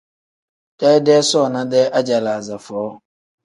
Deedee soona-dee ajalaaza foo.